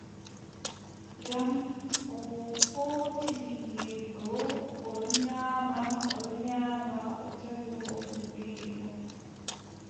Jam, o hooci nyiiri goo, o ɗon nyaama, o ɗon nyaama, o tawi hoondu ɓiyiiko .